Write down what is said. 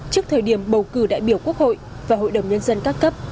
trước thời điểm bầu cử đại biểu quốc hội và hội đồng nhân dân các cấp